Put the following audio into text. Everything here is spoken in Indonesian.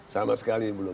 sama sekali belum